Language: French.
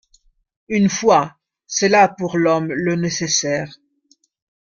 Une foi ; c’est là pour l’homme le nécessaire.